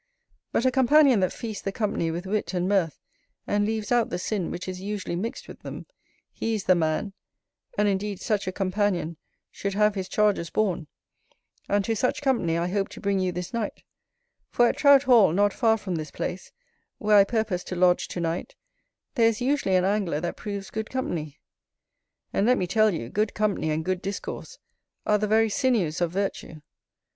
But a companion that feasts the company with wit and mirth, and leaves out the sin which is usually mixed with them, he is the man, and indeed such a companion should have his charges borne; and to such company I hope to bring you this night; for at Trout hall, not far from this place, where I purpose to lodge to night, there is usually an Angler that proves good company. And let me tell you, good company and good discourse are the very sinews of virtue.